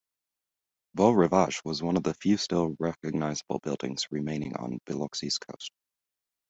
Beau Rivage was one of the few still recognizable buildings remaining on Biloxi's coast.